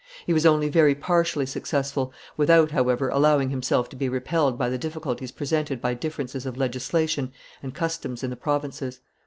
He was only very partially successful, without, however, allowing himself to be repelled by the difficulties presented by differences of legislation and customs in the provinces.